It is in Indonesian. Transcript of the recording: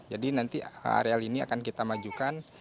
jadi nanti area ini akan kita majukan